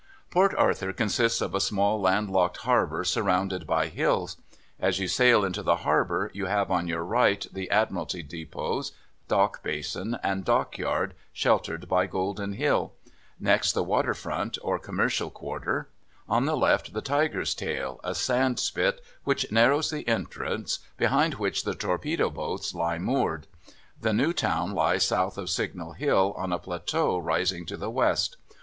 Port Arthur consists of a small land locked harbour surrounded by hills. As you sail into the harbour you have on your right the Admiralty depots, dock basin, and dockyard, sheltered by Golden Hill; next the waterfront, or commercial quarter; on the left the Tiger's Tail, a sand spit which narrows the entrance, behind which the torpedo boats lie moored. The new town lies south of Signal Hill, on a plateau rising to the west.